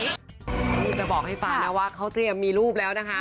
หนูจะบอกให้ฟังนะว่าเขาก็ยังมีรูปแล้วนะคะ